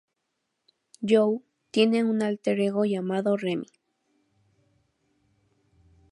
Joe tiene un alter ego llamado Remy.